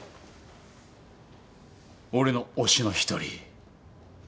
俺の推しの１人。